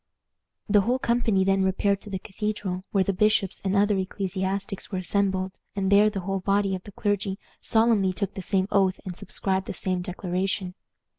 The whole company then repaired to the Cathedral, where the bishops and other ecclesiastics were assembled, and there the whole body of the clergy solemnly took the same oath and subscribed the same declaration.